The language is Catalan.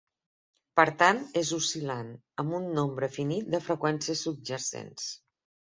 Per tant, és oscil·lant, amb un nombre finit de freqüències subjacents.